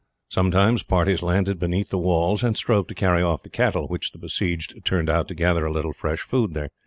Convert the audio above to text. Sometimes parties landed beneath the walls, and strove to carry off the cattle which the besieged turned out to gather a little fresh food there.